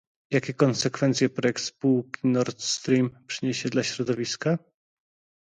jakie konsekwencje projekt spółki Nord Stream przyniesie dla środowiska?